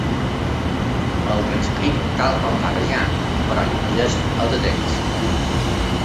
El transcric tal com va rajar, però hi afegeixo els accents.